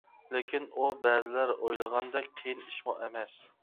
لېكىن ئۇ، بەزىلەر ئويلىغاندەك قىيىن ئىشمۇ ئەمەس.